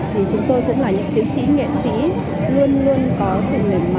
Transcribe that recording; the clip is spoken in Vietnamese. thì chúng tôi cũng là những chiến sĩ nghệ sĩ luôn luôn có sự nền mại